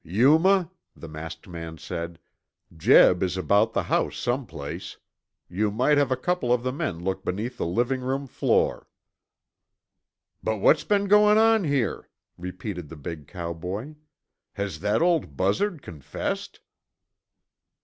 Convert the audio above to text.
"Yuma," the masked man said, "Jeb is about the house some place. You might have a couple of the men look beneath the living room floor." "But what's been goin' on here?" repeated the big cowboy. "Has that old buzzard confessed?"